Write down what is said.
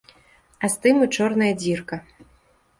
А з тым і чорная дзірка.